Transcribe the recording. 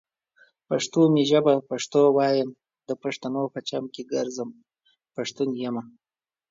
پښتو می ژبه پښتو وايم، دا پښتنو په چم کې ګرځم ، پښتون يمه